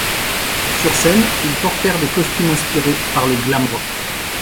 Sur scène, ils portèrent des costumes inspirés par le glam rock.